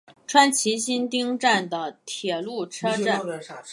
川崎新町站的铁路车站。